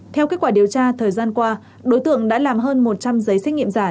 theo kết quả điều tra thời gian qua đối tượng đã làm hơn một trăm linh giấy xét nghiệm giả